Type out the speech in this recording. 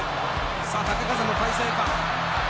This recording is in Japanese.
さあ豪風の体勢か。